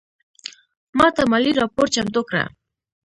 ماته مالي راپور چمتو کړه